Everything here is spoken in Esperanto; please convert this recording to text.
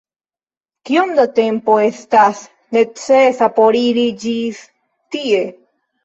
Kiom da tempo estas necesa por iri ĝis tie?